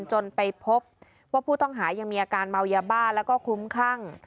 จนไปพบว่าผู้ต้องหายังมีอาการเมายาบ้าแล้วก็คลุ้มคลั่ง